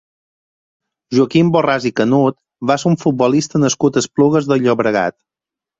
Joaquim Borràs i Canut va ser un futbolista nascut a Esplugues de Llobregat.